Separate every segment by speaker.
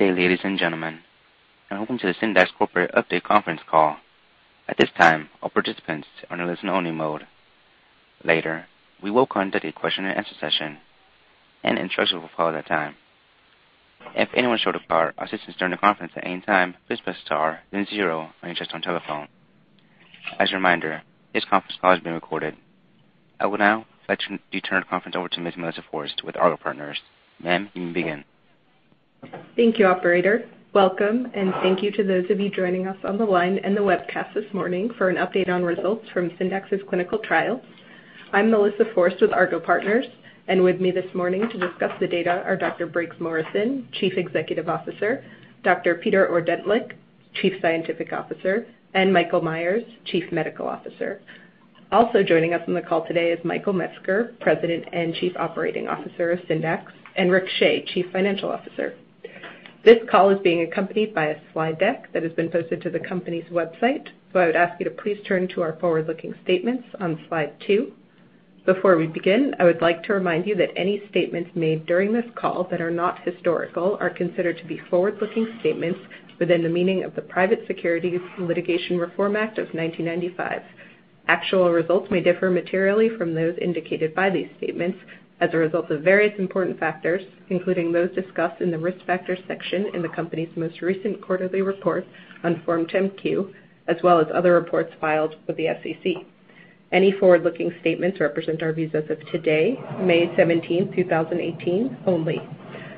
Speaker 1: Good day, ladies and gentlemen, and welcome to the Syndax Corporate Update Conference Call. At this time, all participants are in listen only mode. Later, we will conduct a question and answer session, and instructions will follow at that time. If anyone should require assistance during the conference at any time, please press star then zero on your touchtone telephone. As a reminder, this conference call is being recorded. I will now turn the conference over to Ms. Melissa Forst with Argot Partners. Ma'am, you may begin.
Speaker 2: Thank you, operator. Welcome, and thank you to those of you joining us on the line and the webcast this morning for an update on results from Syndax's clinical trial. I'm Melissa Forst with Argot Partners, and with me this morning to discuss the data are Dr. Briggs Morrison, Chief Executive Officer, Dr. Peter Ordentlich, Chief Scientific Officer, and Michael Meyers, Chief Medical Officer. Also joining us on the call today is Michael Metzger, President and Chief Operating Officer of Syndax, and Richard Shea, Chief Financial Officer. This call is being accompanied by a slide deck that has been posted to the company's website. I would ask you to please turn to our forward-looking statements on slide two. Before we begin, I would like to remind you that any statements made during this call that are not historical are considered to be forward-looking statements within the meaning of the Private Securities Litigation Reform Act of 1995. Actual results may differ materially from those indicated by these statements as a result of various important factors, including those discussed in the Risk Factors section in the company's most recent quarterly report on Form 10-Q, as well as other reports filed with the SEC. Any forward-looking statements represent our views as of today, May seventeenth, 2018, only.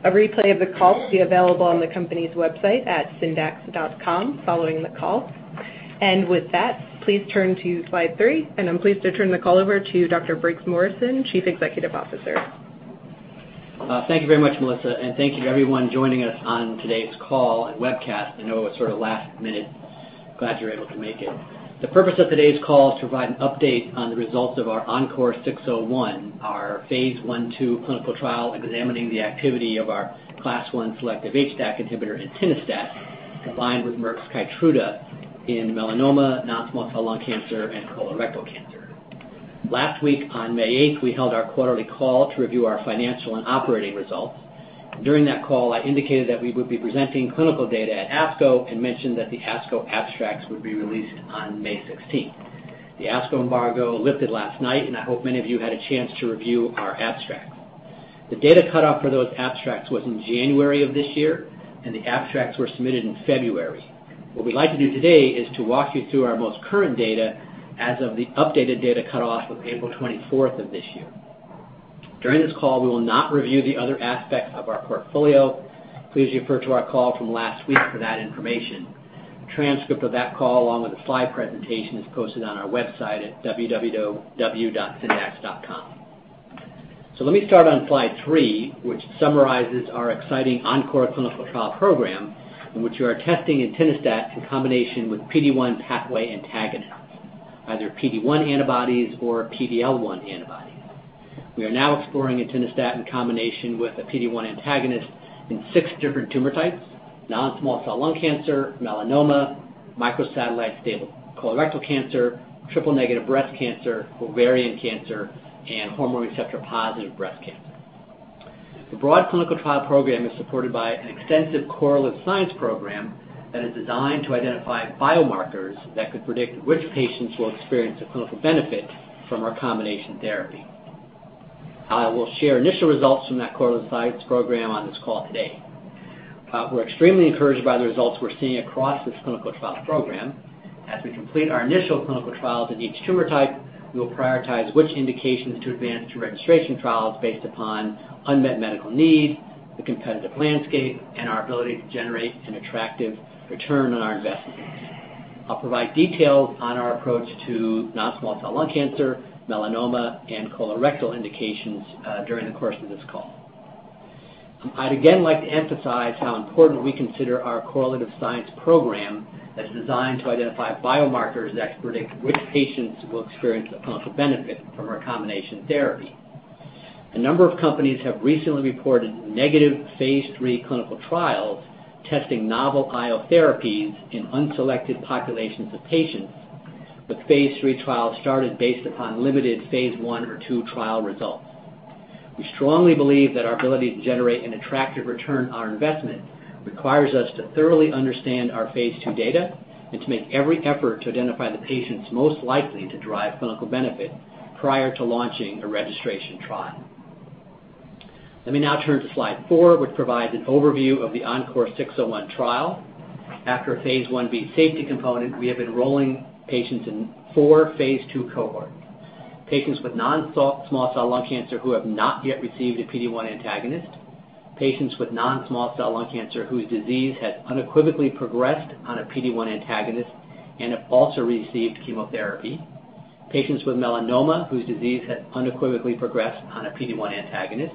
Speaker 2: A replay of the call will be available on the company's website at syndax.com following the call. With that, please turn to slide three, and I'm pleased to turn the call over to Dr. Briggs Morrison, Chief Executive Officer.
Speaker 3: Thank you very much, Melissa, and thank you to everyone joining us on today's call and webcast. I know it was sort of last minute. Glad you were able to make it. The purpose of today's call is to provide an update on the results of our ENCORE 601, our phase I-II clinical trial examining the activity of our Class 1 selective HDAC inhibitor, entinostat, combined with Merck's KEYTRUDA in melanoma, non-small cell lung cancer, and colorectal cancer. Last week on May eighth, we held our quarterly call to review our financial and operating results. During that call, I indicated that we would be presenting clinical data at ASCO and mentioned that the ASCO abstracts would be released on May sixteenth. The ASCO embargo lifted last night, and I hope many of you had a chance to review our abstract. The data cutoff for those abstracts was in January of this year, and the abstracts were submitted in February. What we'd like to do today is to walk you through our most current data as of the updated data cutoff of April 24th of this year. During this call, we will not review the other aspects of our portfolio. Please refer to our call from last week for that information. A transcript of that call, along with a slide presentation, is posted on our website at www.syndax.com. Let me start on slide three, which summarizes our exciting ENCORE clinical trial program, in which we are testing entinostat in combination with PD-1 pathway antagonists, either PD-1 antibodies or PD-L1 antibodies. We are now exploring entinostat in combination with a PD-1 antagonist in 6 different tumor types: non-small cell lung cancer, melanoma, microsatellite stable colorectal cancer, triple-negative breast cancer, ovarian cancer, and hormone receptor-positive breast cancer. The broad clinical trial program is supported by an extensive correlative science program that is designed to identify biomarkers that could predict which patients will experience a clinical benefit from our combination therapy. I will share initial results from that correlative science program on this call today. We're extremely encouraged by the results we're seeing across this clinical trial program. As we complete our initial clinical trials in each tumor type, we will prioritize which indications to advance to registration trials based upon unmet medical need, the competitive landscape, and our ability to generate an attractive return on our investment. I'll provide details on our approach to non-small cell lung cancer, melanoma, and colorectal indications during the course of this call. I'd again like to emphasize how important we consider our correlative science program that's designed to identify biomarkers that predict which patients will experience a clinical benefit from our combination therapy. A number of companies have recently reported negative phase III clinical trials testing novel IO therapies in unselected populations of patients with phase III trials started based upon limited phase I or II trial results. We strongly believe that our ability to generate an attractive return on our investment requires us to thoroughly understand our phase II data and to make every effort to identify the patients most likely to derive clinical benefit prior to launching a registration trial. Let me now turn to slide four, which provides an overview of the ENCORE 601 trial. After a Phase I-B safety component, we have been enrolling patients in four phase II cohorts. Patients with non-small cell lung cancer who have not yet received a PD-1 antagonist. Patients with non-small cell lung cancer whose disease has unequivocally progressed on a PD-1 antagonist and have also received chemotherapy. Patients with melanoma whose disease has unequivocally progressed on a PD-1 antagonist.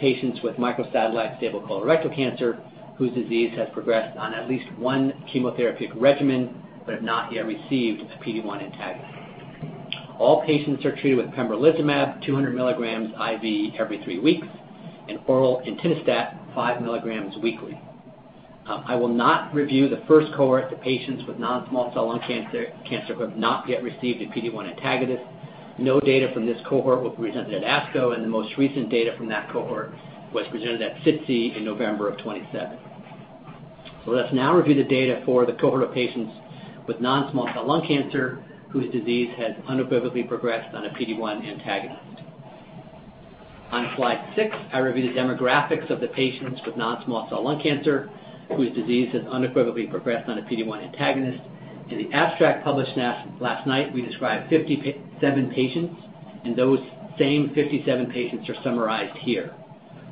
Speaker 3: Patients with microsatellite stable colorectal cancer whose disease has progressed on at least one chemotherapeutic regimen but have not yet received a PD-1 antagonist. All patients are treated with pembrolizumab, 200 milligrams IV every three weeks, and oral entinostat, five milligrams weekly. I will not review the first cohort of patients with non-small cell lung cancer who have not yet received a PD-1 antagonist. No data from this cohort was presented at ASCO. The most recent data from that cohort was presented at SITC in November of 2017. Let's now review the data for the cohort of patients with non-small cell lung cancer whose disease has unequivocally progressed on a PD-1 antagonist. On slide six, I review the demographics of the patients with non-small cell lung cancer whose disease has unequivocally progressed on a PD-1 antagonist. In the abstract published last night, we described 57 patients. Those same 57 patients are summarized here.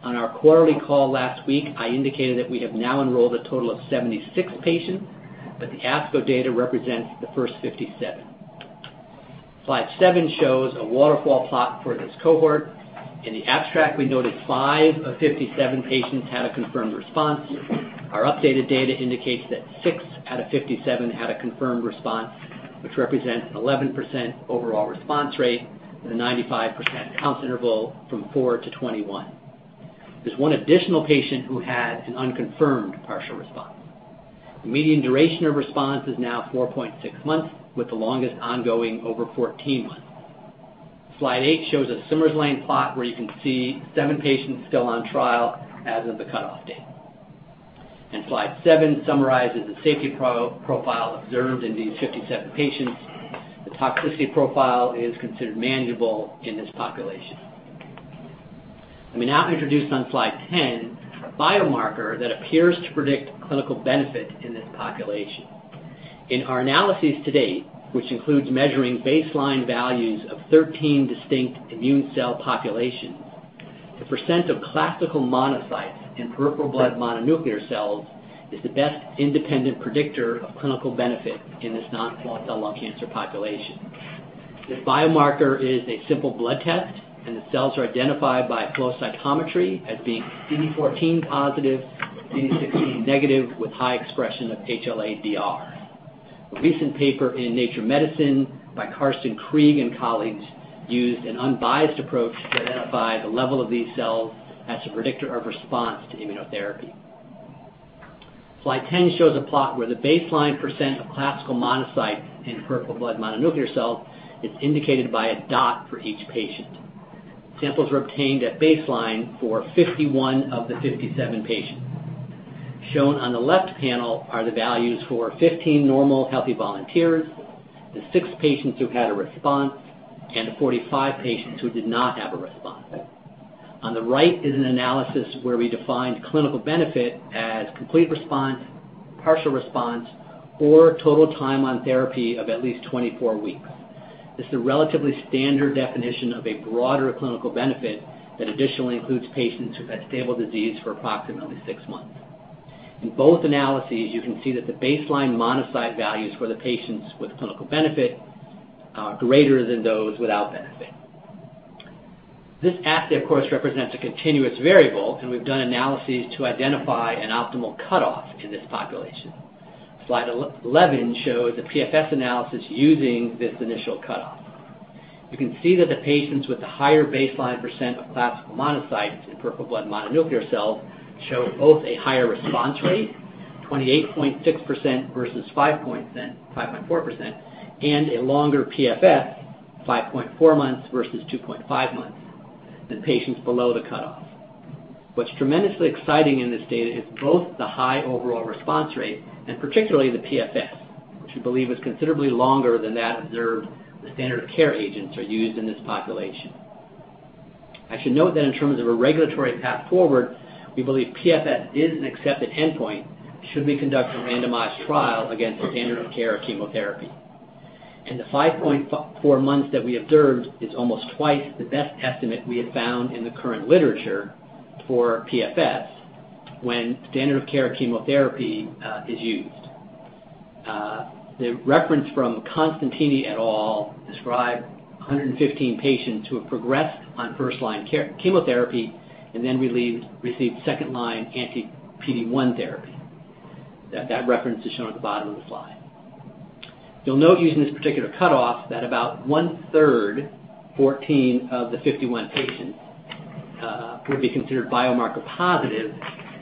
Speaker 3: On our quarterly call last week, I indicated that we have now enrolled a total of 76 patients. The ASCO data represents the first 57. Slide seven shows a waterfall plot for this cohort. In the abstract, we noted five of 57 patients had a confirmed response. Our updated data indicates that six out of 57 had a confirmed response, which represents an 11% overall response rate and a 95% confidence interval from four to 21. There's one additional patient who had an unconfirmed partial response. The median duration of response is now 4.6 months, with the longest ongoing over 14 months. Slide eight shows a swimmer lane plot where you can see seven patients still on trial as of the cutoff date. Slide seven summarizes the safety profile observed in these 57 patients. The toxicity profile is considered manageable in this population. Let me now introduce on slide 10 a biomarker that appears to predict clinical benefit in this population. In our analyses to date, which includes measuring baseline values of 13 distinct immune cell populations, the % of classical monocytes in peripheral blood mononuclear cells is the best independent predictor of clinical benefit in this non-small cell lung cancer population. This biomarker is a simple blood test. The cells are identified by flow cytometry as being CD14 positive, CD16 negative with high expression of HLA-DR. A recent paper in "Nature Medicine" by Carsten Krieg and colleagues used an unbiased approach to identify the level of these cells as a predictor of response to immunotherapy. Slide 10 shows a plot where the baseline % of classical monocytes in peripheral blood mononuclear cells is indicated by a dot for each patient. Samples were obtained at baseline for 51 of the 57 patients. Shown on the left panel are the values for 15 normal healthy volunteers, the six patients who had a response, and the 45 patients who did not have a response. On the right is an analysis where we defined clinical benefit as complete response, partial response, or total time on therapy of at least 24 weeks. This is a relatively standard definition of a broader clinical benefit that additionally includes patients who've had stable disease for approximately six months. In both analyses, you can see that the baseline monocyte values for the patients with clinical benefit are greater than those without benefit. This assay, of course, represents a continuous variable. We've done analyses to identify an optimal cutoff in this population. Slide 11 shows a PFS analysis using this initial cutoff. You can see that the patients with the higher baseline percent of classical monocytes in peripheral blood mononuclear cells show both a higher response rate, 28.6% versus 5.4%, and a longer PFS, 5.4 months versus 2.5 months, than patients below the cutoff. What's tremendously exciting in this data is both the high overall response rate and particularly the PFS, which we believe is considerably longer than that observed with standard care agents are used in this population. I should note that in terms of a regulatory path forward, we believe PFS is an accepted endpoint should we conduct a randomized trial against the standard of care of chemotherapy. The 5.4 months that we observed is almost twice the best estimate we have found in the current literature for PFS when standard of care chemotherapy is used. The reference from Costantini et al. described 115 patients who had progressed on first-line chemotherapy and then received second-line anti-PD-1 therapy. That reference is shown at the bottom of the slide. You'll note using this particular cutoff that about one-third, 14 of the 51 patients, would be considered biomarker positive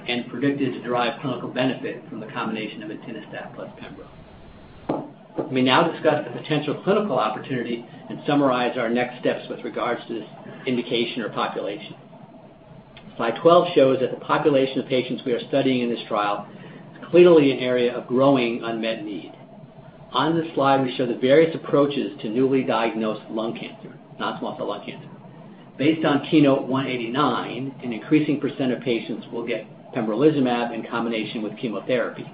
Speaker 3: and predicted to derive clinical benefit from the combination of entinostat plus pembro. Let me now discuss the potential clinical opportunity and summarize our next steps with regards to this indication or population. Slide 12 shows that the population of patients we are studying in this trial is clearly an area of growing unmet need. On this slide, we show the various approaches to newly diagnosed lung cancer, non-small cell lung cancer. Based on KEYNOTE-189, an increasing percent of patients will get pembrolizumab in combination with chemotherapy.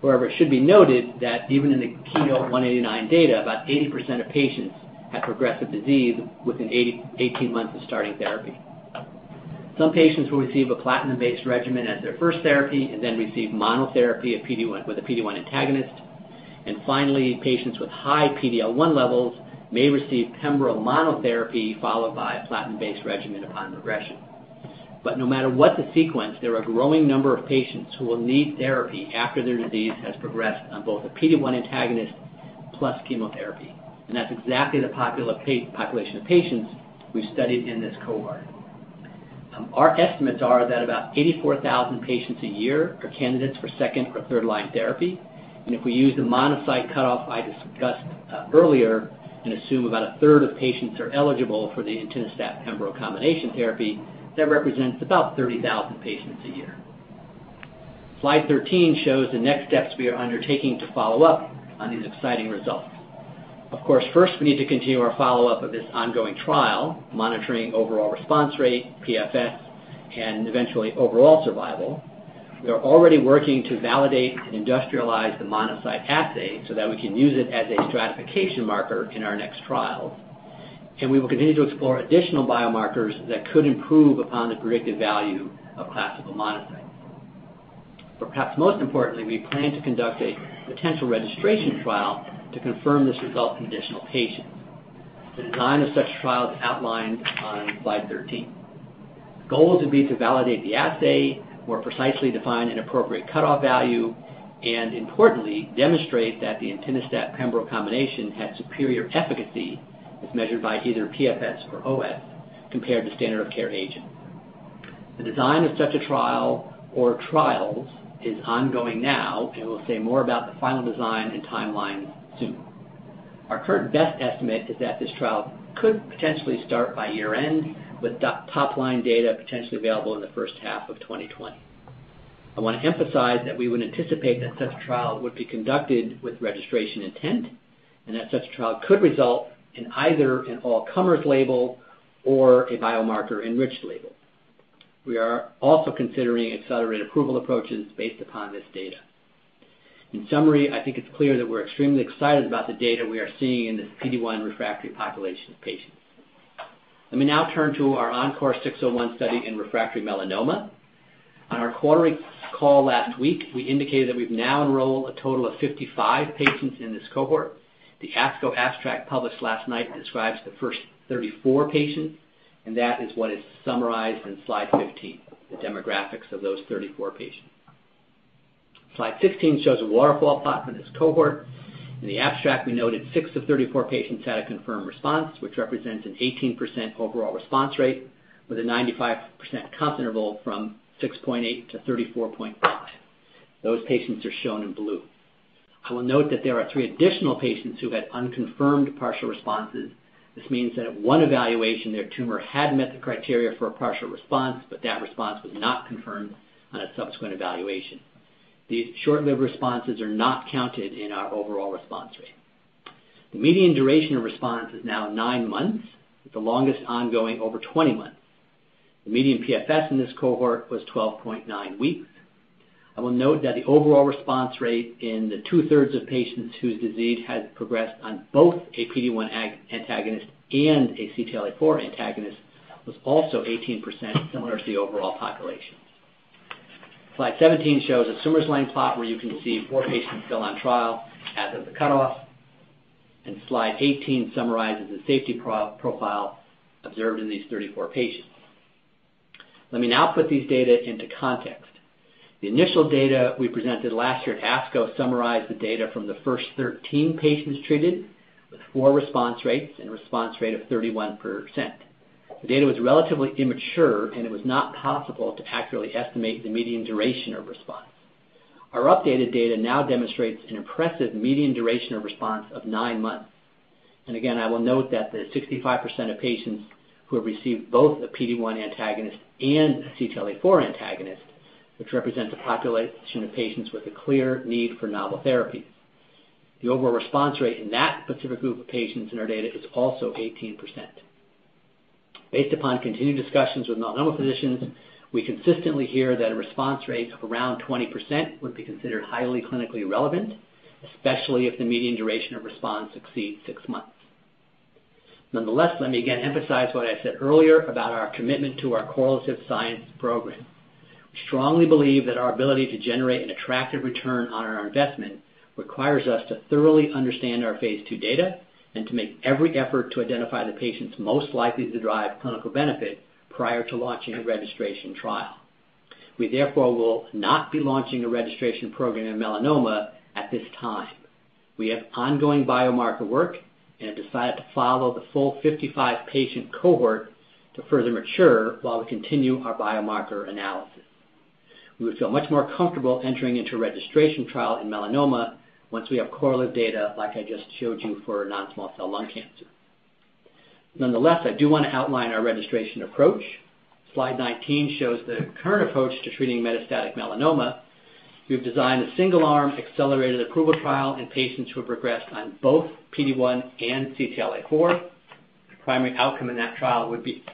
Speaker 3: However, it should be noted that even in the KEYNOTE-189 data, about 80% of patients had progressive disease within 18 months of starting therapy. Some patients will receive a platinum-based regimen as their first therapy and then receive monotherapy with a PD-1 antagonist. Finally, patients with high PD-L1 levels may receive pembro monotherapy followed by a platinum-based regimen upon regression. No matter what the sequence, there are a growing number of patients who will need therapy after their disease has progressed on both a PD-1 antagonist plus chemotherapy. That's exactly the population of patients we've studied in this cohort. Our estimates are that about 84,000 patients a year are candidates for second or third-line therapy. If we use the monocyte cutoff I discussed earlier and assume about a third of patients are eligible for the entinostat pembro combination therapy, that represents about 30,000 patients a year. Slide 13 shows the next steps we are undertaking to follow up on these exciting results. Of course, first, we need to continue our follow-up of this ongoing trial, monitoring overall response rate, PFS, and eventually, overall survival. We are already working to validate and industrialize the monocyte assay so that we can use it as a stratification marker in our next trials. We will continue to explore additional biomarkers that could improve upon the predictive value of classical monocyte. Perhaps most importantly, we plan to conduct a potential registration trial to confirm this result in additional patients. The design of such a trial is outlined on slide 13. The goal would be to validate the assay, more precisely define an appropriate cutoff value, and importantly, demonstrate that the entinostat pembro combination had superior efficacy as measured by either PFS or OS compared to standard of care agent. The design of such a trial or trials is ongoing now. We'll say more about the final design and timeline soon. Our current best estimate is that this trial could potentially start by year-end, with top-line data potentially available in the first half of 2020. I want to emphasize that we would anticipate that such a trial would be conducted with registration intent and that such a trial could result in either an all-comers label or a biomarker-enriched label. We are also considering accelerated approval approaches based upon this data. In summary, I think it's clear that we're extremely excited about the data we are seeing in this PD-1 refractory population of patients. Let me now turn to our ENCORE 601 study in refractory melanoma. On our quarterly call last week, we indicated that we've now enrolled a total of 55 patients in this cohort. The ASCO abstract published last night describes the first 34 patients. That is what is summarized in slide 15, the demographics of those 34 patients. Slide 16 shows a waterfall plot from this cohort. In the abstract, we noted six of 34 patients had a confirmed response, which represents an 18% overall response rate with a 95% confidence interval from 6.8 to 34.5. Those patients are shown in blue. I will note that there are three additional patients who had unconfirmed partial responses. This means that at one evaluation, their tumor had met the criteria for a partial response, but that response was not confirmed on a subsequent evaluation. These short-lived responses are not counted in our overall response rate. The median duration of response is now nine months, with the longest ongoing over 20 months. The median PFS in this cohort was 12.9 weeks. I will note that the overall response rate in the two-thirds of patients whose disease had progressed on both a PD-1 antagonist and a CTLA-4 antagonist was also 18%, similar to the overall population. Slide 17 shows a summary line plot where you can see four patients still on trial as of the cutoff. Slide 18 summarizes the safety profile observed in these 34 patients. Let me now put these data into context. The initial data we presented last year at ASCO summarized the data from the first 13 patients treated with four response rates and a response rate of 31%. The data was relatively immature. It was not possible to accurately estimate the median duration of response. Our updated data now demonstrates an impressive median duration of response of nine months. Again, I will note that the 65% of patients who have received both a PD-1 antagonist and a CTLA-4 antagonist, which represents a population of patients with a clear need for novel therapies. The overall response rate in that specific group of patients in our data is also 18%. Based upon continued discussions with melanoma physicians, we consistently hear that a response rate of around 20% would be considered highly clinically relevant, especially if the median duration of response exceeds six months. Nonetheless, let me again emphasize what I said earlier about our commitment to our correlative science program. We strongly believe that our ability to generate an attractive return on our investment requires us to thoroughly understand our phase II data and to make every effort to identify the patients most likely to derive clinical benefit prior to launching a registration trial. We therefore will not be launching a registration program in melanoma at this time. We have ongoing biomarker work and have decided to follow the full 55-patient cohort to further mature while we continue our biomarker analysis. We would feel much more comfortable entering into a registration trial in melanoma once we have correlative data like I just showed you for non-small cell lung cancer. Nonetheless, I do want to outline our registration approach. Slide 19 shows the current approach to treating metastatic melanoma. We've designed a single-arm accelerated approval trial in patients who have progressed on both PD-1 and CTLA-4. The primary outcome in that trial would be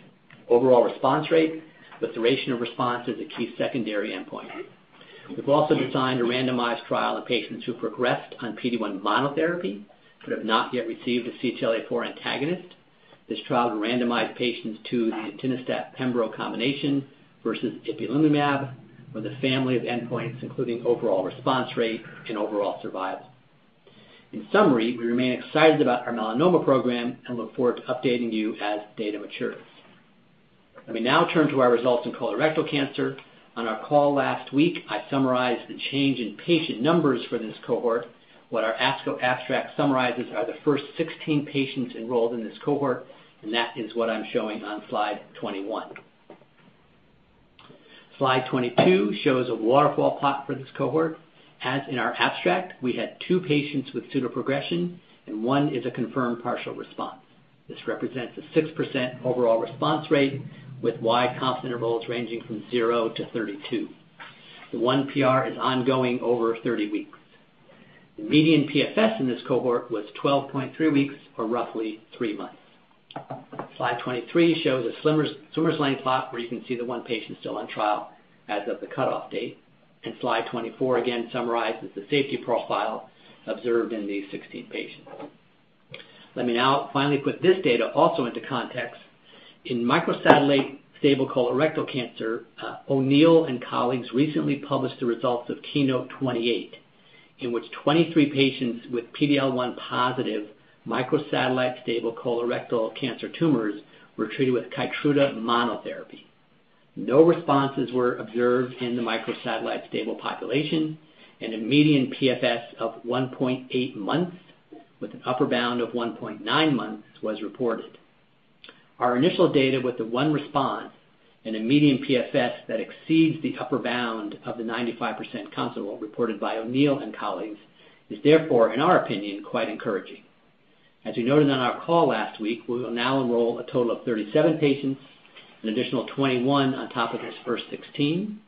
Speaker 3: overall response rate, with duration of response as a key secondary endpoint. We've also designed a randomized trial in patients who progressed on PD-1 monotherapy but have not yet received a CTLA-4 antagonist. This trial will randomize patients to the entinostat pembro combination versus ipilimumab with a family of endpoints including overall response rate and overall survival. In summary, we remain excited about our melanoma program and look forward to updating you as data matures. Let me now turn to our results in colorectal cancer. On our call last week, I summarized the change in patient numbers for this cohort. What our ASCO abstract summarizes are the first 16 patients enrolled in this cohort, and that is what I'm showing on slide 21. Slide 22 shows a waterfall plot for this cohort. As in our abstract, we had two patients with pseudo progression, and one is a confirmed partial response. This represents a 6% overall response rate with wide confidence intervals ranging from zero to 32. The one PR is ongoing over 30 weeks. The median PFS in this cohort was 12.3 weeks or roughly three months. Slide 23 shows a swimmer lane plot where you can see the one patient still on trial as of the cutoff date. Slide 24, again, summarizes the safety profile observed in these 16 patients. Let me now finally put this data also into context. In microsatellite stable colorectal cancer, O'Neil and colleagues recently published the results of KEYNOTE-028, in which 23 patients with PD-L1 positive microsatellite stable colorectal cancer tumors were treated with KEYTRUDA monotherapy. No responses were observed in the microsatellite stable population, and a median PFS of 1.8 months with an upper bound of 1.9 months was reported. Our initial data with the one response and a median PFS that exceeds the upper bound of the 95% confidence interval reported by O'Neil and colleagues is therefore, in our opinion, quite encouraging. As we noted on our call last week, we will now enroll a total of 37 patients, an additional 21 on top of this first 16.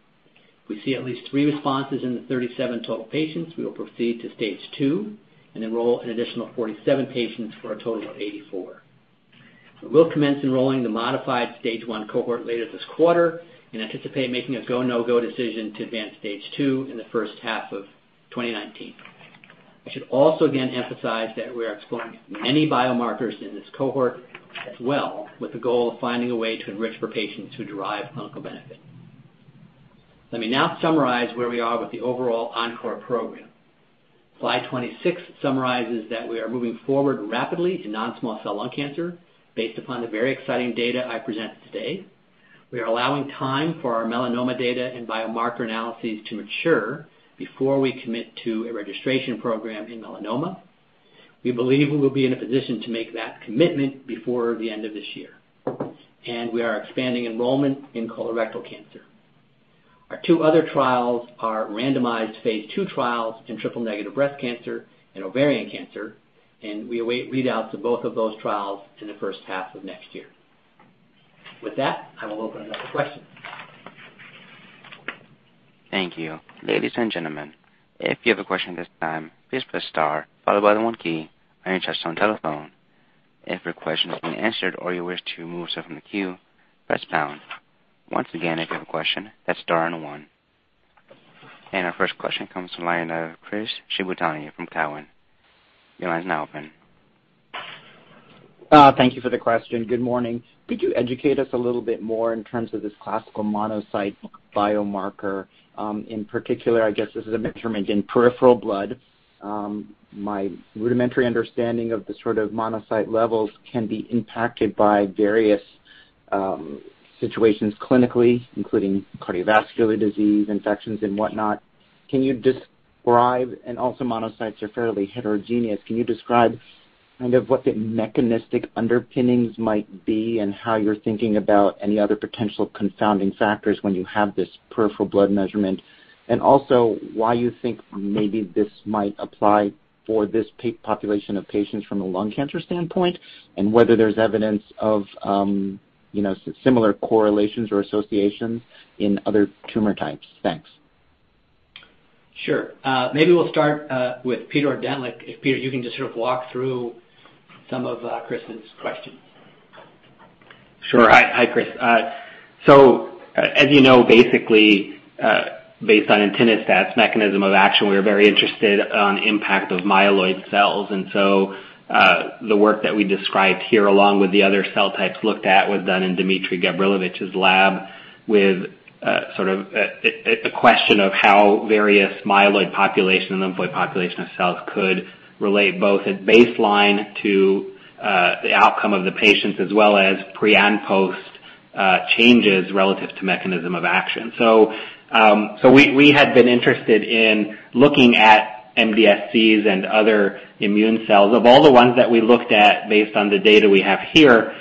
Speaker 3: If we see at least three responses in the 37 total patients, we will proceed to stage II and enroll an additional 47 patients for a total of 84. We will commence enrolling the modified stage I cohort later this quarter and anticipate making a go, no-go decision to advance stage II in the first half of 2019. I should also again emphasize that we are exploring many biomarkers in this cohort as well, with the goal of finding a way to enrich for patients who derive clinical benefit. Let me now summarize where we are with the overall ENCORE program. Slide 26 summarizes that we are moving forward rapidly in non-small cell lung cancer based upon the very exciting data I presented today. We are allowing time for our melanoma data and biomarker analyses to mature before we commit to a registration program in melanoma. We believe we will be in a position to make that commitment before the end of this year. We are expanding enrollment in colorectal cancer. Our two other trials are randomized phase II trials in triple-negative breast cancer and ovarian cancer. We await readouts of both of those trials in the first half of next year. With that, I will open it up for questions.
Speaker 1: Thank you. Ladies and gentlemen, if you have a question at this time, please press star followed by the 1 key on your touchtone telephone. If your question has been answered or you wish to remove yourself from the queue, press pound. Once again, if you have a question, press star and 1. Our first question comes from the line of Chris Shibutani from Cowen. Your line is now open.
Speaker 4: Thank you for the question. Good morning. Could you educate us a little bit more in terms of this classical monocyte biomarker? In particular, I guess this is a measurement in peripheral blood. My rudimentary understanding of the sort of monocyte levels can be impacted by various situations clinically, including cardiovascular disease, infections, and whatnot. Also, monocytes are fairly heterogeneous. Can you describe kind of what the mechanistic underpinnings might be and how you're thinking about any other potential confounding factors when you have this peripheral blood measurement? Also why you think maybe this might apply for this population of patients from a lung cancer standpoint, and whether there's evidence of similar correlations or associations in other tumor types. Thanks.
Speaker 3: Sure. Maybe we'll start with Peter or Dan. If, Peter, you can just sort of walk through some of Chris's questions.
Speaker 5: Sure. Hi, Chris. As you know, basically, based on entinostat's mechanism of action, we are very interested on impact of myeloid cells. The work that we described here, along with the other cell types looked at, was done in Dmitry Gabrilovich's lab with sort of a question of how various myeloid population and lymphoid population of cells could relate both at baseline to the outcome of the patients as well as pre and post changes relative to mechanism of action. We had been interested in looking at MDSCs and other immune cells. Of all the ones that we looked at based on the data we have here,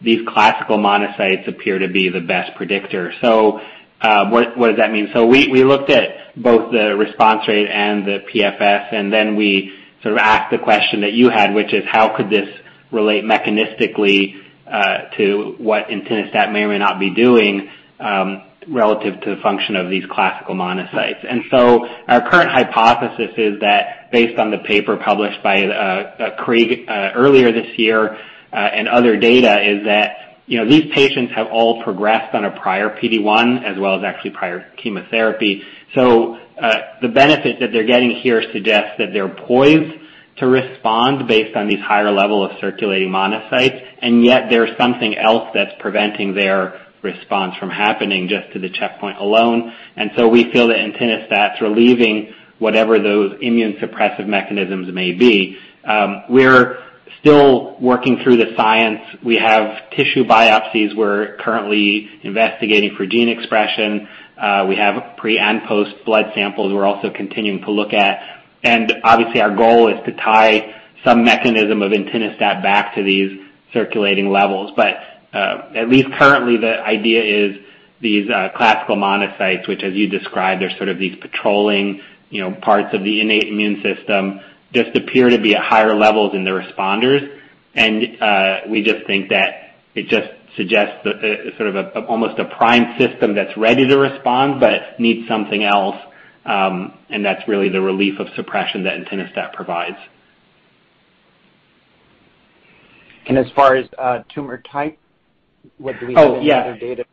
Speaker 5: these classical monocytes appear to be the best predictor. What does that mean? We looked at both the response rate and the PFS, then we sort of asked the question that you had, which is how could this relate mechanistically to what entinostat may or may not be doing relative to the function of these classical monocytes. Our current hypothesis is that based on the paper published by Krieg earlier this year and other data, is that these patients have all progressed on a prior PD-1 as well as actually prior chemotherapy. The benefit that they're getting here suggests that they're poised to respond based on these higher level of circulating monocytes, yet there's something else that's preventing their response from happening just to the checkpoint alone. We feel that entinostat's relieving whatever those immune suppressive mechanisms may be. We're still working through the science. We have tissue biopsies we're currently investigating for gene expression. We have pre and post blood samples we're also continuing to look at. Obviously our goal is to tie some mechanism of entinostat back to these circulating levels. At least currently, the idea is these classical monocytes, which as you described, are sort of these patrolling parts of the innate immune system, just appear to be at higher levels in the responders. We just think that it just suggests almost a primed system that's ready to respond but needs something else, and that's really the relief of suppression that entinostat provides.
Speaker 3: As far as tumor type, what do we see in the data?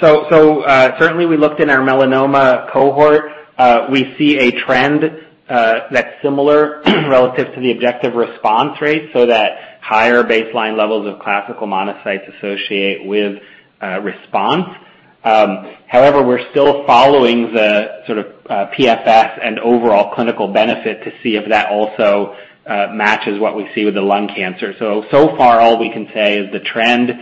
Speaker 5: yeah. Certainly we looked in our melanoma cohort. We see a trend that's similar relative to the objective response rate, so that higher baseline levels of classical monocytes associate with a response. However, we're still following the sort of PFS and overall clinical benefit to see if that also matches what we see with the lung cancer. So far all we can say is the trend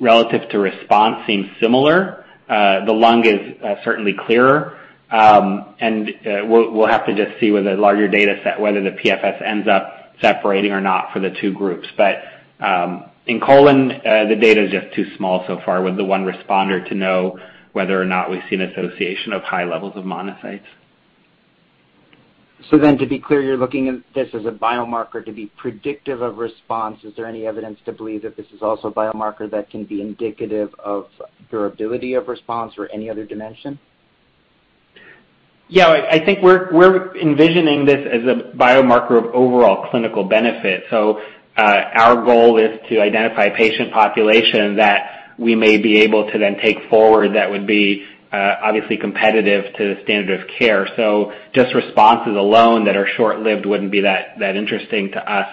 Speaker 5: relative to response seems similar. The lung is certainly clearer. We'll have to just see with a larger data set whether the PFS ends up separating or not for the two groups. In colon, the data is just too small so far with the one responder to know whether or not we see an association of high levels of monocytes.
Speaker 3: To be clear, you're looking at this as a biomarker to be predictive of response. Is there any evidence to believe that this is also a biomarker that can be indicative of durability of response or any other dimension?
Speaker 5: I think we're envisioning this as a biomarker of overall clinical benefit. Our goal is to identify a patient population that we may be able to then take forward that would be obviously competitive to the standard of care. Just responses alone that are short-lived wouldn't be that interesting to us.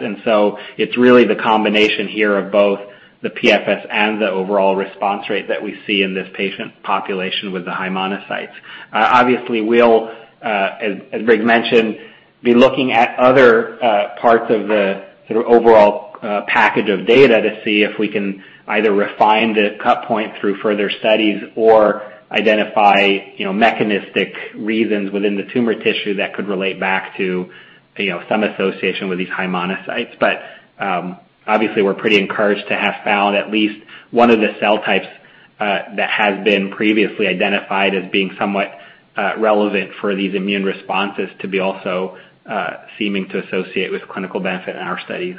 Speaker 5: It's really the combination here of both the PFS and the overall response rate that we see in this patient population with the high monocytes. Obviously, we'll, as Rick mentioned, be looking at other parts of the sort of overall package of data to see if we can either refine the cut point through further studies or identify mechanistic reasons within the tumor tissue that could relate back to some association with these high monocytes. Obviously, we're pretty encouraged to have found at least one of the cell types that has been previously identified as being somewhat relevant for these immune responses to be also seeming to associate with clinical benefit in our studies.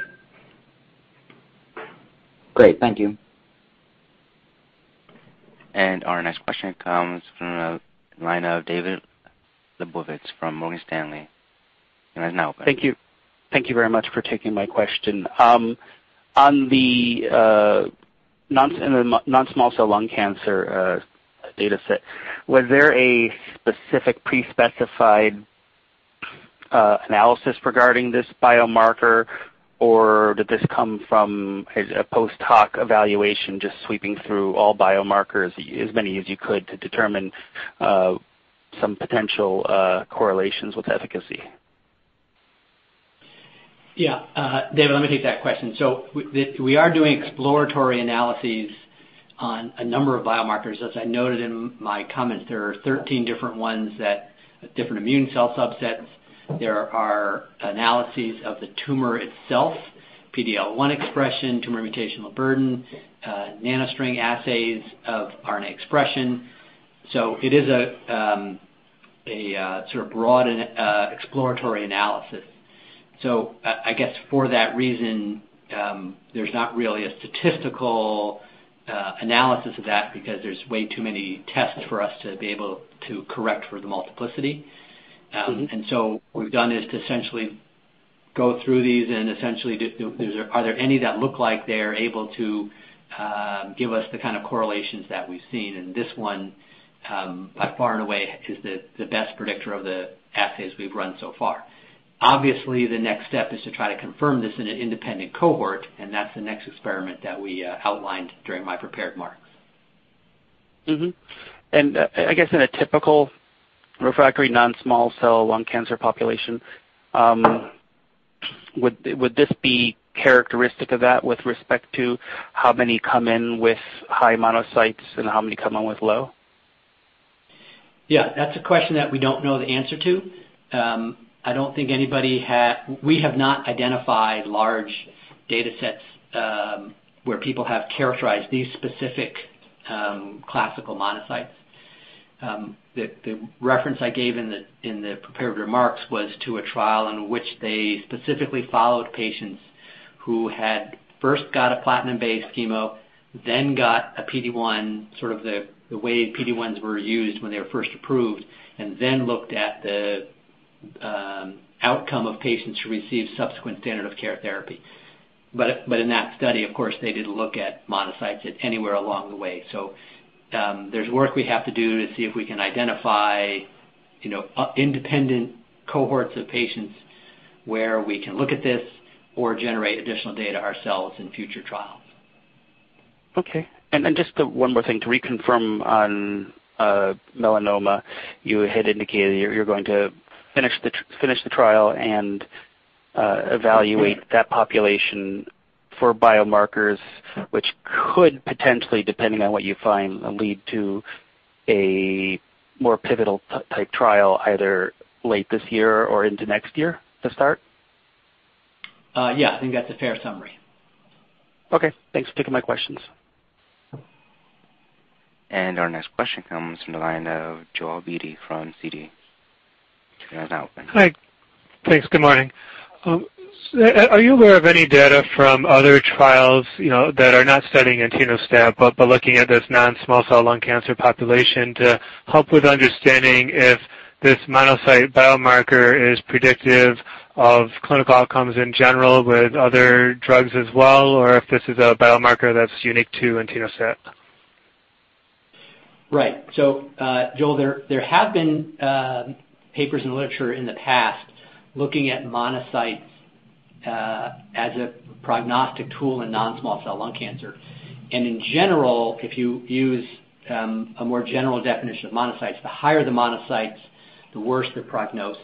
Speaker 3: Great. Thank you.
Speaker 1: Our next question comes from the line of David Lebovitz from Morgan Stanley. The line is now open.
Speaker 6: Thank you. Thank you very much for taking my question. On the non-small cell lung cancer data set, was there a specific pre-specified analysis regarding this biomarker, or did this come from a post hoc evaluation just sweeping through all biomarkers, as many as you could, to determine some potential correlations with efficacy?
Speaker 3: David, let me take that question. We are doing exploratory analyses on a number of biomarkers. As I noted in my comments, there are 13 different ones that, different immune cell subsets. There are analyses of the tumor itself, PD-L1 expression, tumor mutational burden, NanoString assays of RNA expression. It is a sort of broad and exploratory analysis. I guess for that reason, there's not really a statistical analysis of that because there's way too many tests for us to be able to correct for the multiplicity. What we've done is to essentially go through these and essentially, are there any that look like they are able to give us the kind of correlations that we've seen? This one, by far and away, is the best predictor of the assays we've run so far. Obviously, the next step is to try to confirm this in an independent cohort, and that's the next experiment that we outlined during my prepared remarks.
Speaker 6: I guess in a typical refractory non-small cell lung cancer population, would this be characteristic of that with respect to how many come in with high monocytes and how many come in with low?
Speaker 3: Yeah, that's a question that we don't know the answer to. I don't think anybody We have not identified large data sets where people have characterized these specific classical monocytes. The reference I gave in the prepared remarks was to a trial in which they specifically followed patients who had first got a platinum-based chemo, then got a PD-1, sort of the way PD-1s were used when they were first approved, and then looked at the outcome of patients who received subsequent standard of care therapy. In that study, of course, they didn't look at monocytes anywhere along the way. There's work we have to do to see if we can identify independent cohorts of patients where we can look at this or generate additional data ourselves in future trials.
Speaker 6: Okay. Just one more thing to reconfirm on melanoma. You had indicated you're going to finish the trial and evaluate that population for biomarkers, which could potentially, depending on what you find, lead to a more pivotal type trial either late this year or into next year to start?
Speaker 3: Yeah. I think that's a fair summary.
Speaker 6: Okay. Thanks for taking my questions.
Speaker 1: Our next question comes from the line of Joel Beatty from Citi. Your line is now open.
Speaker 7: Hi. Thanks. Good morning. Are you aware of any data from other trials that are not studying entinostat, but looking at this non-small cell lung cancer population to help with understanding if this monocyte biomarker is predictive of clinical outcomes in general with other drugs as well, or if this is a biomarker that's unique to entinostat?
Speaker 3: Joel, there have been papers and literature in the past looking at monocytes as a prognostic tool in non-small cell lung cancer. In general, if you use a more general definition of monocytes, the higher the monocytes, the worse the prognosis.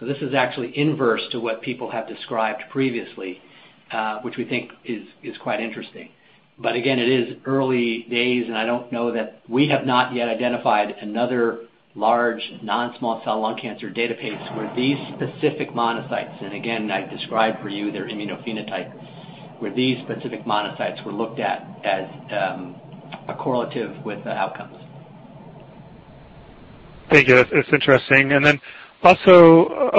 Speaker 3: This is actually inverse to what people have described previously, which we think is quite interesting. Again, it is early days, and I don't know that we have not yet identified another large non-small cell lung cancer database where these specific monocytes, and again, I described for you their immunophenotype, where these specific monocytes were looked at as a correlative with the outcomes.
Speaker 7: Thank you. That's interesting. Also,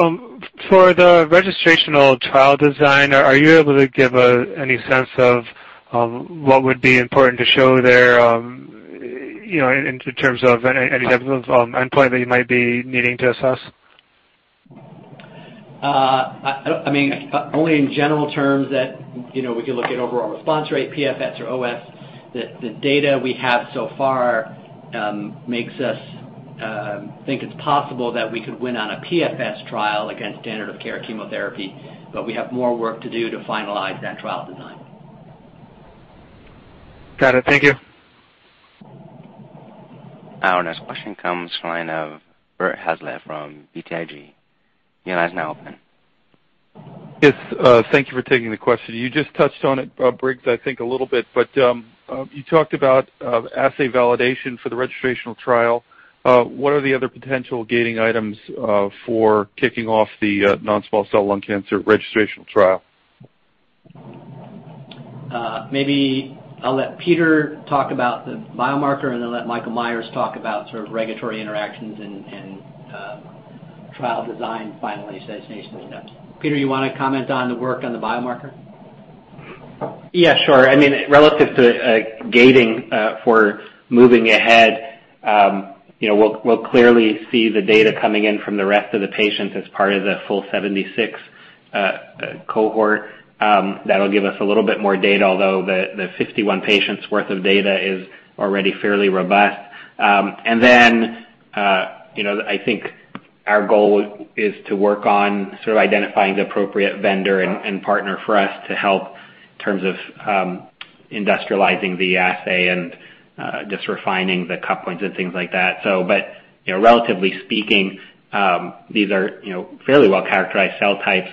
Speaker 7: for the registrational trial design, are you able to give any sense of what would be important to show there, in terms of any type of endpoint that you might be needing to assess?
Speaker 3: Only in general terms that we could look at overall response rate, PFS or OS. The data we have so far makes us think it's possible that we could win on a PFS trial against standard of care chemotherapy, we have more work to do to finalize that trial design.
Speaker 7: Got it. Thank you.
Speaker 1: Our next question comes from the line of Robert Hazlett from BTIG. Your line is now open.
Speaker 8: Yes. Thank you for taking the question. You just touched on it, Briggs, I think a little bit. You talked about assay validation for the registrational trial. What are the other potential gating items for kicking off the non-small cell lung cancer registrational trial?
Speaker 3: Maybe I'll let Peter talk about the biomarker, and then let Michael Meyers talk about sort of regulatory interactions and trial design, finalization stuff. Peter, you want to comment on the work on the biomarker?
Speaker 5: Yeah, sure. Relative to gating for moving ahead, we'll clearly see the data coming in from the rest of the patients as part of the full 76 cohort. That'll give us a little bit more data, although the 51 patients' worth of data is already fairly robust. I think our goal is to work on sort of identifying the appropriate vendor and partner for us to help in terms of industrializing the assay and just refining the cut points and things like that. Relatively speaking, these are fairly well-characterized cell types.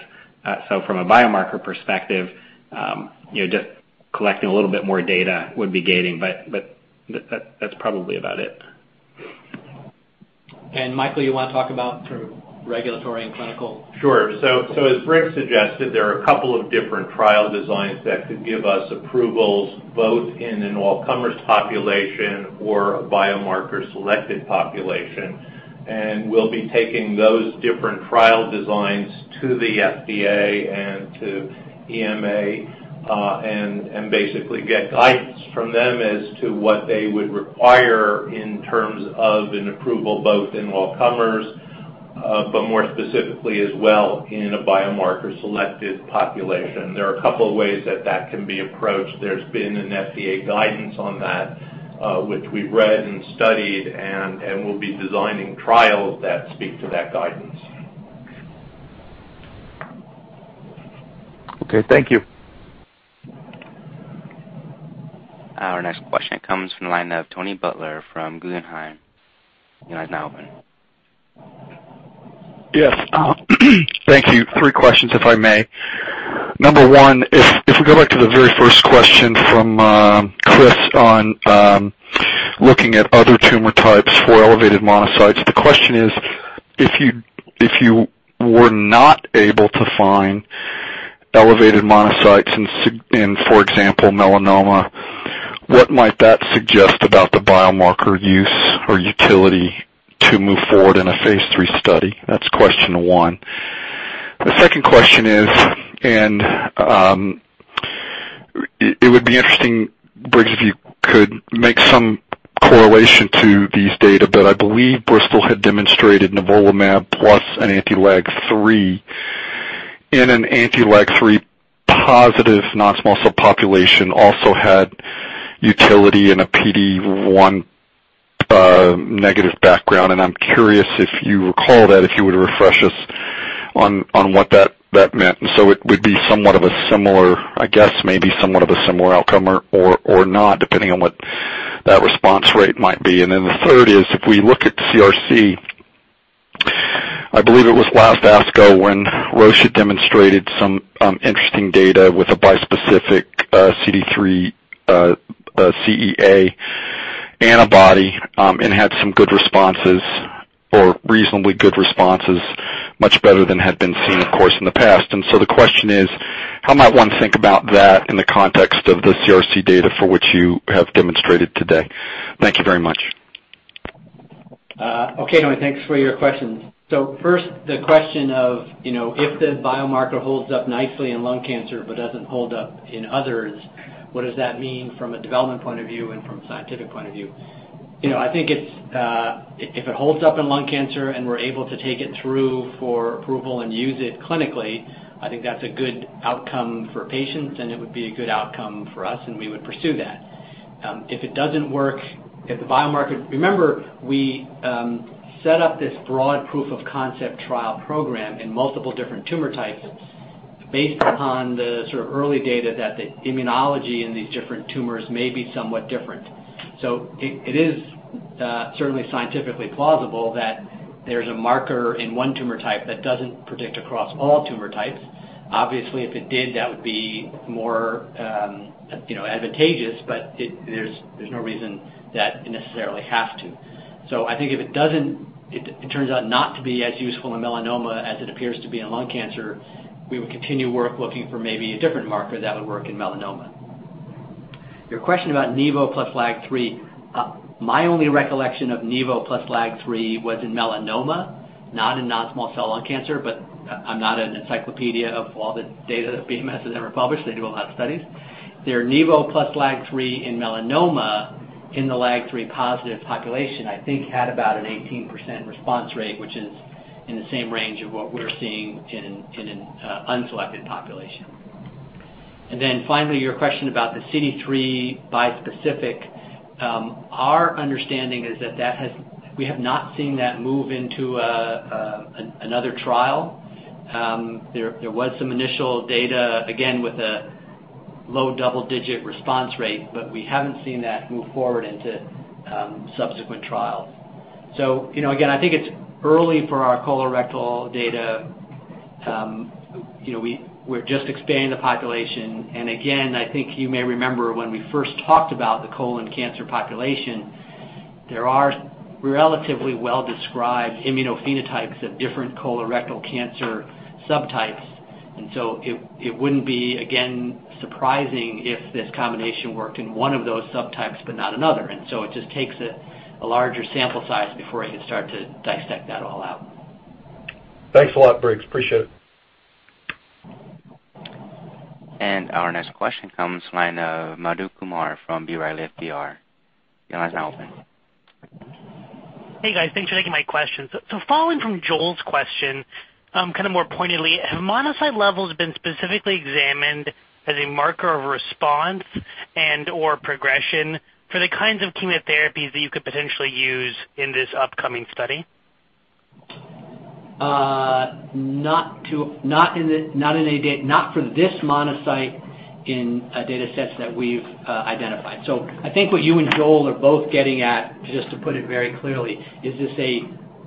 Speaker 5: From a biomarker perspective, just collecting a little bit more data would be gating. That's probably about it.
Speaker 3: Michael, you want to talk about sort of regulatory and clinical?
Speaker 9: Sure. As Briggs suggested, there are a couple of different trial designs that could give us approvals both in an all-comers population or a biomarker selected population. We'll be taking those different trial designs to the FDA and to EMA, and basically get guidance from them as to what they would require in terms of an approval both in all comers, but more specifically as well in a biomarker selected population. There are a couple of ways that that can be approached. There's been an FDA guidance on that, which we've read and studied, and we'll be designing trials that speak to that guidance.
Speaker 8: Okay. Thank you.
Speaker 1: Our next question comes from the line of Charles Butler from Guggenheim. Your line is now open.
Speaker 10: Yes. Thank you. Three questions, if I may. Number one, if we go back to the very first question from Chris on looking at other tumor types for elevated monocytes. The question is: If you were not able to find elevated monocytes in, for example, melanoma, what might that suggest about the biomarker use or utility to move forward in a phase III study? That's question one. The second question is, and it would be interesting, Briggs, if you could make some correlation to these data, but I believe Bristol had demonstrated nivolumab plus an anti-LAG-3 in an anti-LAG-3 positive non-small cell population also had utility in a PD-1 negative background. I'm curious if you recall that, if you would refresh us on what that meant. It would be somewhat of a similar, I guess, maybe somewhat of a similar outcome or not, depending on what that response rate might be. The third is, if we look at CRC, I believe it was last ASCO when Roche demonstrated some interesting data with a bispecific CD3 CEA antibody and had some good responses or reasonably good responses, much better than had been seen, of course, in the past. The question is, how might one think about that in the context of the CRC data for which you have demonstrated today? Thank you very much.
Speaker 3: Okay. No, thanks for your questions. First, the question of, if the biomarker holds up nicely in lung cancer but doesn't hold up in others, what does that mean from a development point of view and from a scientific point of view? I think if it holds up in lung cancer and we're able to take it through for approval and use it clinically, I think that's a good outcome for patients, and it would be a good outcome for us, and we would pursue that. If it doesn't work, remember, we set up this broad proof of concept trial program in multiple different tumor types based upon the sort of early data that the immunology in these different tumors may be somewhat different. It is certainly scientifically plausible that there's a marker in one tumor type that doesn't predict across all tumor types. Obviously, if it did, that would be more advantageous, but there's no reason that it necessarily have to. I think if it doesn't, it turns out not to be as useful in melanoma as it appears to be in lung cancer, we would continue work looking for maybe a different marker that would work in melanoma. Your question about Nivo plus LAG-3. My only recollection of Nivo plus LAG-3 was in melanoma, not in non-small cell lung cancer, but I'm not an encyclopedia of all the data that BMS has ever published. They do a lot of studies. Their Nivo plus LAG-3 in melanoma in the LAG-3 positive population, I think had about an 18% response rate, which is in the same range of what we're seeing in an unselected population. Finally, your question about the CD3 bispecific. Our understanding is that we have not seen that move into another trial. There was some initial data, again, with a low double-digit response rate, but we haven't seen that move forward into subsequent trials. Again, I think it's early for our colorectal data. We're just expanding the population. Again, I think you may remember when we first talked about the colon cancer population, there are relatively well-described immunophenotypes of different colorectal cancer subtypes. It wouldn't be, again, surprising if this combination worked in one of those subtypes but not another. It just takes a larger sample size before you can start to dissect that all out.
Speaker 10: Thanks a lot, Briggs. Appreciate it.
Speaker 1: Our next question comes from Madhu Kumar from B. Riley FBR. Your line is now open.
Speaker 11: Hey, guys. Thanks for taking my questions. Following from Joel's question, kind of more pointedly, have monocyte levels been specifically examined as a marker of response and/or progression for the kinds of chemotherapies that you could potentially use in this upcoming study?
Speaker 3: Not for this monocyte in data sets that we've identified. I think what you and Joel are both getting at, just to put it very clearly, is this a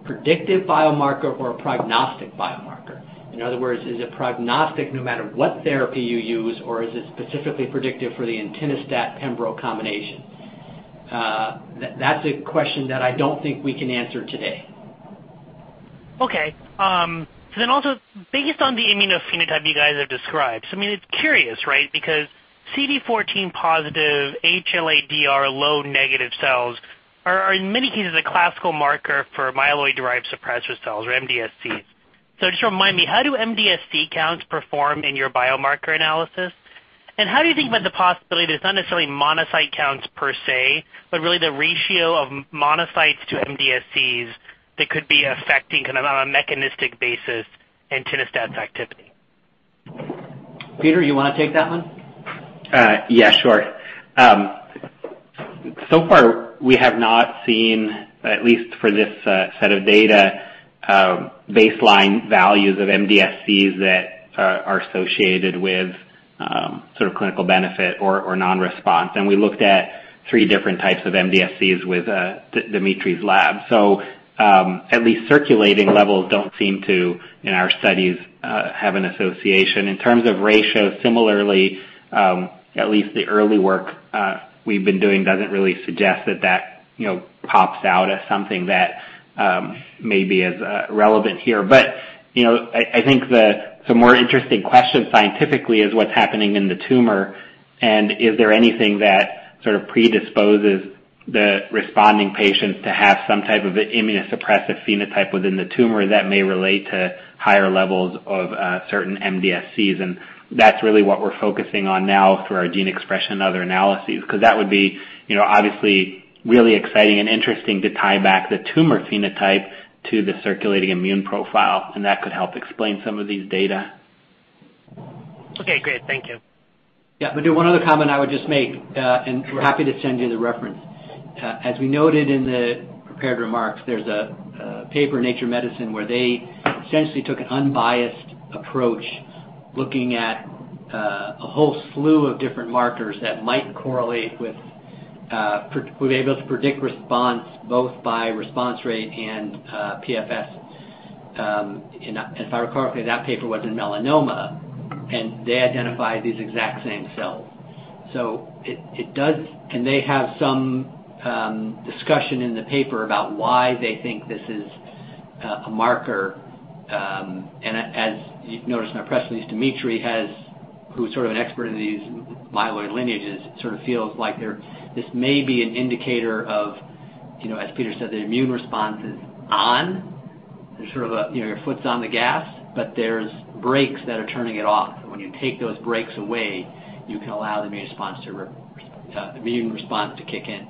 Speaker 3: predictive biomarker or a prognostic biomarker? In other words, is it prognostic no matter what therapy you use, or is it specifically predictive for the entinostat pembro combination? That's a question that I don't think we can answer today.
Speaker 11: Okay. Also based on the immunophenotype you guys have described, I mean, it's curious, right? Because CD14 positive HLA-DR low negative cells are in many cases a classical marker for myeloid-derived suppressor cells or MDSCs. Just remind me, how do MDSC counts perform in your biomarker analysis, and how do you think about the possibility that it's not necessarily monocyte counts per se, but really the ratio of monocytes to MDSCs that could be affecting kind of on a mechanistic basis entinostat's activity?
Speaker 3: Peter, you want to take that one?
Speaker 5: Yeah, sure. Far we have not seen, at least for this set of data, baseline values of MDSCs that are associated with sort of clinical benefit or non-response. We looked at 3 different types of MDSCs with Dmitry's lab. At least circulating levels don't seem to, in our studies, have an association. In terms of ratio, similarly, at least the early work we've been doing doesn't really suggest that that pops out as something that may be as relevant here. I think the more interesting question scientifically is what's happening in the tumor and is there anything that sort of predisposes the responding patients to have some type of immunosuppressive phenotype within the tumor that may relate to higher levels of certain MDSCs. That's really what we're focusing on now through our gene expression and other analyses, because that would be obviously really exciting and interesting to tie back the tumor phenotype to the circulating immune profile, and that could help explain some of these data.
Speaker 11: Okay, great. Thank you.
Speaker 3: Yeah. Madhu, one other comment I would just make, we're happy to send you the reference. As we noted in the prepared remarks, there's a paper in "Nature Medicine" where they essentially took an unbiased approach Looking at a whole slew of different markers that might correlate with, we're able to predict response both by response rate and PFS. If I recall correctly, that paper was in melanoma, they identified these exact same cells. They have some discussion in the paper about why they think this is a marker. As you've noticed in our press release, Dmitry has, who's sort of an expert in these myeloid lineages, sort of feels like this may be an indicator of, as Peter said, the immune response is on. Your foot's on the gas, but there's brakes that are turning it off. When you take those brakes away, you can allow the immune response to kick in.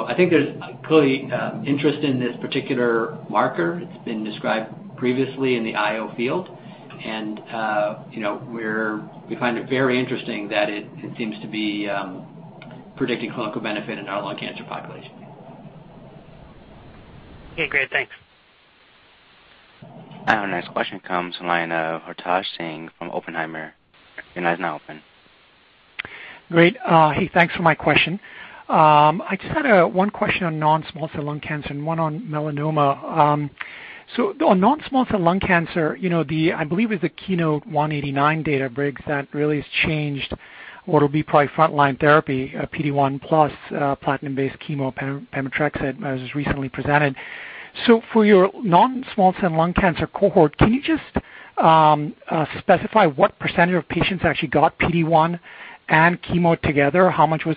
Speaker 3: I think there's clearly interest in this particular marker. It's been described previously in the IO field, and we find it very interesting that it seems to be predicting clinical benefit in our lung cancer population.
Speaker 11: Okay, great. Thanks.
Speaker 1: Our next question comes from the line of Hartosh Singh from Oppenheimer. Your line is now open.
Speaker 12: Great. Hey, thanks for my question. I just had one question on non-small cell lung cancer and one on melanoma. On non-small cell lung cancer, I believe it's the KEYNOTE-189 data, Briggs, that really has changed what'll be probably frontline therapy, PD-1 plus platinum-based chemo, pemetrexed, as recently presented. For your non-small cell lung cancer cohort, can you just specify what % of patients actually got PD-1 and chemo together? How much was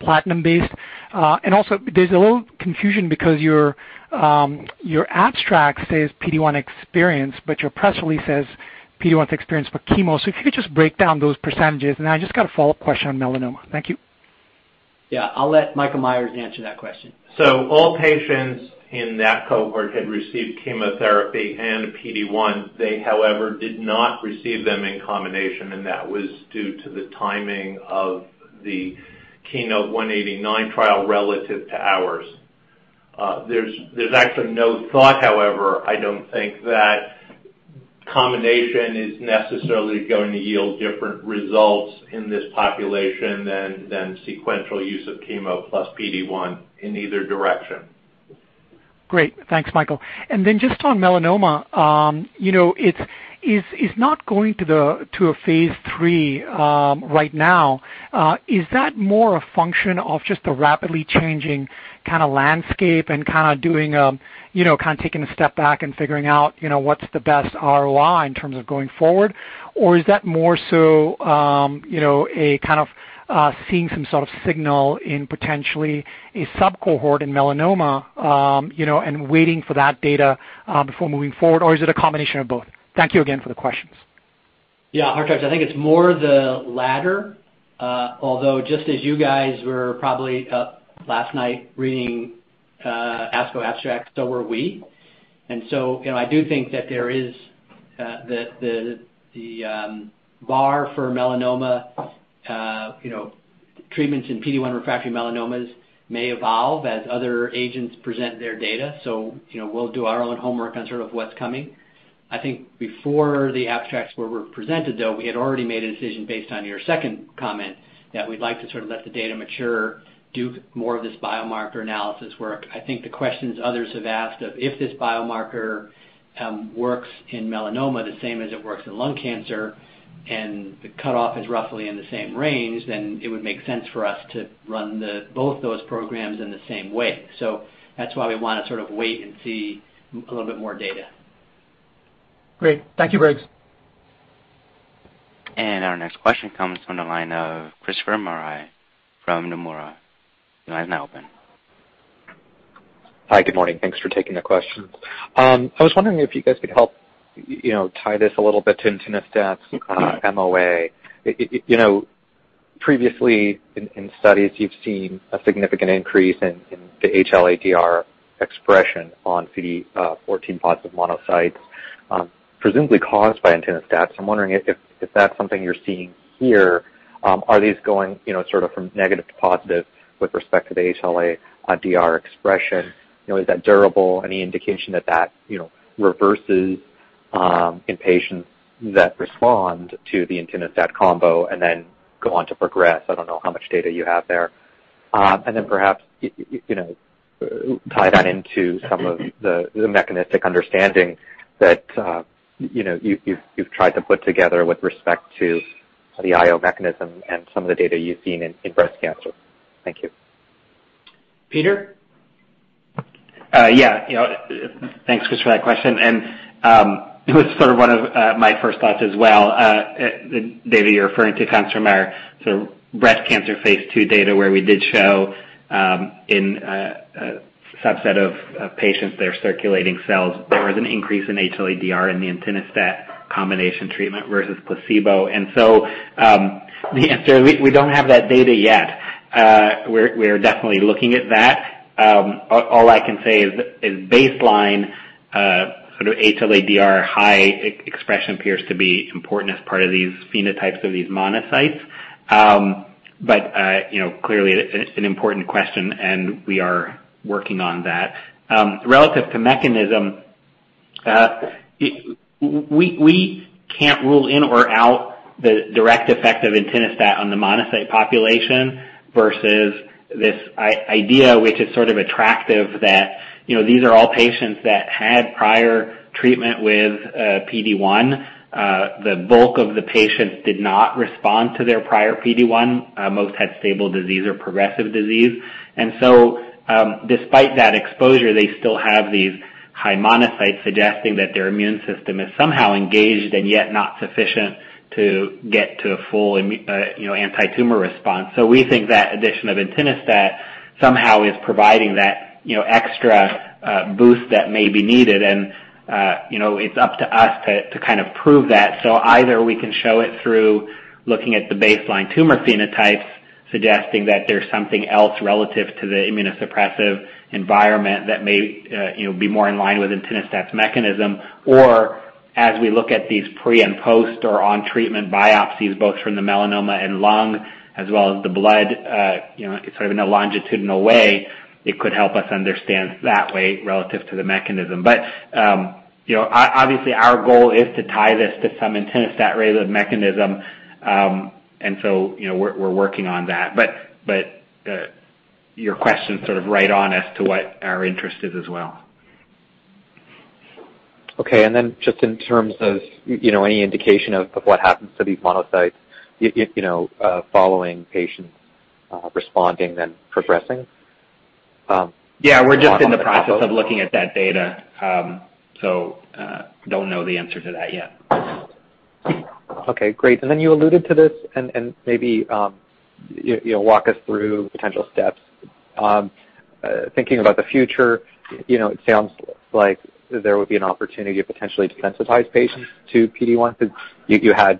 Speaker 12: platinum-based? Also, there's a little confusion because your abstract says PD-1 experience, but your press release says PD-1 experience for chemo. If you could just break down those percentages. I've just got a follow-up question on melanoma. Thank you.
Speaker 3: Yeah. I'll let Michael Meyers answer that question.
Speaker 9: All patients in that cohort had received chemotherapy and PD-1. They, however, did not receive them in combination, and that was due to the timing of the KEYNOTE-189 trial relative to ours. There's actually no thought, however, I don't think that combination is necessarily going to yield different results in this population than sequential use of chemo plus PD-1 in either direction.
Speaker 12: Great. Thanks, Michael. Just on melanoma, it's not going to a phase III right now. Is that more a function of just the rapidly changing kind of landscape and kind of taking a step back and figuring out what's the best ROI in terms of going forward? Or is that more so seeing some sort of signal in potentially a sub-cohort in melanoma, and waiting for that data before moving forward? Or is it a combination of both? Thank you again for the questions.
Speaker 3: Yeah. Hartosh, I think it's more the latter. Although just as you guys were probably up last night reading ASCO abstracts, so were we. I do think that there is the bar for melanoma treatments and PD-1 refractory melanomas may evolve as other agents present their data. We'll do our own homework on sort of what's coming. I think before the abstracts were presented, though, we had already made a decision based on your second comment that we'd like to sort of let the data mature, do more of this biomarker analysis work. I think the questions others have asked of if this biomarker works in melanoma the same as it works in lung cancer, and the cutoff is roughly in the same range, then it would make sense for us to run both those programs in the same way. That's why we want to sort of wait and see a little bit more data.
Speaker 12: Great. Thank you, Briggs.
Speaker 1: Our next question comes from the line of Christopher Marai from Nomura. Your line is now open.
Speaker 13: Hi, good morning. Thanks for taking the questions. I was wondering if you guys could help tie this a little bit to entinostat MOA. Previously, in studies, you've seen a significant increase in the HLA-DR expression on CD14 positive monocytes, presumably caused by entinostat. I'm wondering if that's something you're seeing here. Are these going sort of from negative to positive with respect to the HLA-DR expression? Is that durable? Any indication that that reverses in patients that respond to the entinostat combo and then go on to progress? I don't know how much data you have there. Then perhaps, tie that into some of the mechanistic understanding that you've tried to put together with respect to the IO mechanism and some of the data you've seen in breast cancer. Thank you.
Speaker 3: Peter?
Speaker 5: Yeah. Thanks, Chris, for that question. It was sort of one of my first thoughts as well. The data you're referring to comes from our sort of breast cancer phase II data, where we did show in a subset of patients their circulating cells, there was an increase in HLA-DR in the entinostat combination treatment versus placebo. The answer, we don't have that data yet. We are definitely looking at that. All I can say is baseline sort of HLA-DR high expression appears to be important as part of these phenotypes of these monocytes. Clearly it's an important question, and we are working on that. Relative to mechanism, we can't rule in or out the direct effect of entinostat on the monocyte population versus this idea, which is sort of attractive, that these are all patients that had prior treatment with PD-1. The bulk of the patients did not respond to their prior PD-1. Most had stable disease or progressive disease. Despite that exposure, they still have these high monocytes, suggesting that their immune system is somehow engaged and yet not sufficient to get to a full antitumor response. We think that addition of entinostat somehow is providing that extra boost that may be needed, and it's up to us to kind of prove that. Either we can show it through looking at the baseline tumor phenotypes, suggesting that there's something else relative to the immunosuppressive environment that may be more in line with entinostat's mechanism or as we look at these pre and post or on-treatment biopsies, both from the melanoma and lung as well as the blood, sort of in a longitudinal way, it could help us understand that way relative to the mechanism. Obviously, our goal is to tie this to some entinostat-related mechanism, and so we're working on that. Your question's sort of right on as to what our interest is as well.
Speaker 13: Okay. Just in terms of any indication of what happens to these monocytes following patients responding, then progressing on the combo.
Speaker 5: Yeah. We're just in the process of looking at that data. Don't know the answer to that yet.
Speaker 13: Okay, great. You alluded to this, maybe walk us through potential steps. Thinking about the future, it sounds like there would be an opportunity to potentially desensitize patients to PD-1, since you had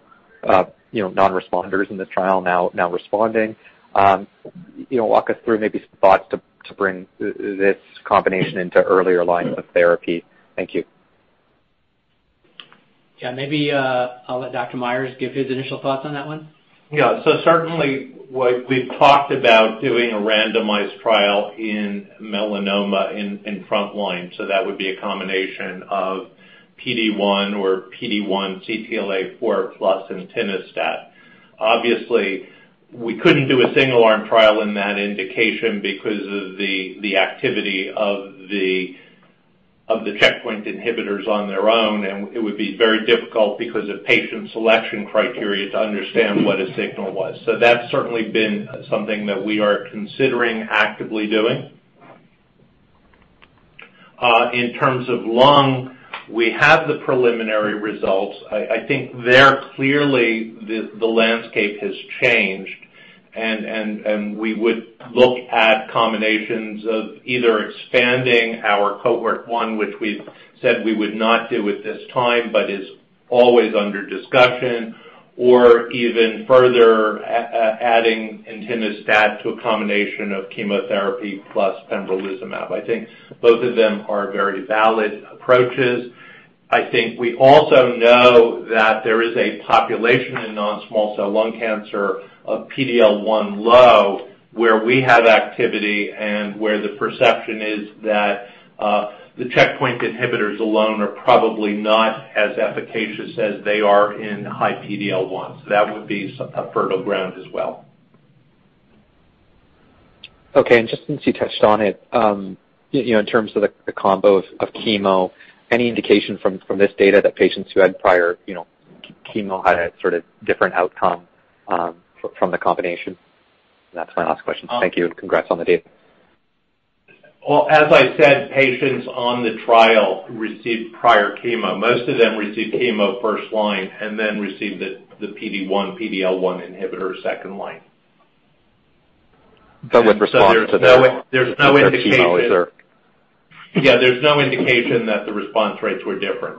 Speaker 13: non-responders in the trial now responding. Walk us through maybe some thoughts to bring this combination into earlier lines of therapy. Thank you.
Speaker 5: Yeah. Maybe I'll let Dr. Meyers give his initial thoughts on that one.
Speaker 9: Yeah. Certainly we've talked about doing a randomized trial in melanoma in front line. That would be a combination of PD-1 or PD-1 CTLA-4 plus entinostat. Obviously, we couldn't do a single-arm trial in that indication because of the activity of the checkpoint inhibitors on their own, and it would be very difficult because of patient selection criteria to understand what a signal was. That's certainly been something that we are considering actively doing. In terms of lung, we have the preliminary results. I think there, clearly the landscape has changed, and we would look at combinations of either expanding our cohort 1, which we've said we would not do at this time, but is always under discussion or even further adding entinostat to a combination of chemotherapy plus pembrolizumab. I think both of them are very valid approaches. I think we also know that there is a population in non-small cell lung cancer of PD-L1 low, where we have activity and where the perception is that the checkpoint inhibitors alone are probably not as efficacious as they are in high PD-L1. That would be a fertile ground as well.
Speaker 13: Just since you touched on it, in terms of the combo of chemo, any indication from this data that patients who had prior chemo had a sort of different outcome from the combination? That's my last question. Thank you, and congrats on the data.
Speaker 9: Well, as I said, patients on the trial received prior chemo. Most of them received chemo first line and then received the PD-1, PD-L1 inhibitor second line.
Speaker 13: With response to their
Speaker 9: There's no indication
Speaker 13: their chemo is there.
Speaker 9: Yeah, there's no indication that the response rates were different.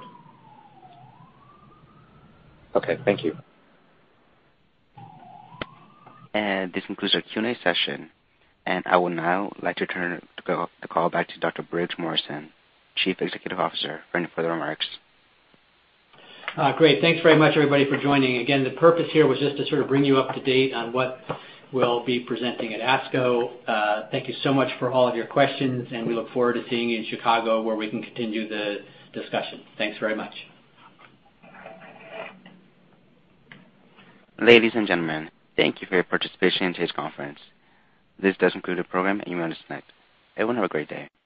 Speaker 13: Okay. Thank you.
Speaker 1: This concludes our Q&A session, I would now like to turn the call back to Dr. Briggs Morrison, Chief Executive Officer, for any further remarks.
Speaker 3: Great. Thanks very much, everybody, for joining. The purpose here was just to sort of bring you up to date on what we'll be presenting at ASCO. Thank you so much for all of your questions, and we look forward to seeing you in Chicago, where we can continue the discussion. Thanks very much.
Speaker 1: Ladies and gentlemen, thank you for your participation in today's conference. This does conclude the program. You may disconnect. Everyone have a great day.